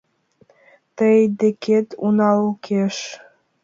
Тый декет уналыкеш.